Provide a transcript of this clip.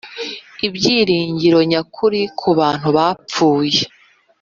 Ibyiringiro Nyakuri ku Bantu Bapfuye